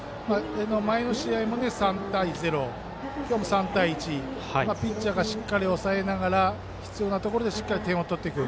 前の試合で３対０今日も３対１ピッチャーがしっかり抑えながら必要なところで点を取っていく。